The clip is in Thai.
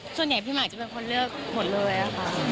พี่หมายจะเป็นคนเลือกหมดเลยค่ะ